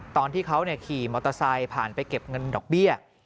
ตอนที่เขาขี่มอเตอร์ไซค์ผ่านไปเก็บเงินดอกเบี้ย